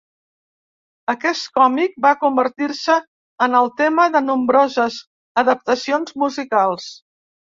Aquest còmic va convertir-se en el tema de nombroses adaptacions musicals.